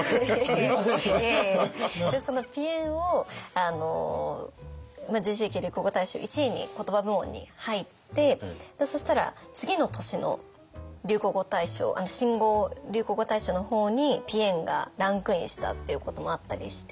いやいやいやその「ぴえん」をＪＣ・ＪＫ流行語大賞１位にコトバ部門に入ってそしたら次の年の流行語大賞新語・流行語大賞の方に「ぴえん」がランクインしたっていうこともあったりして。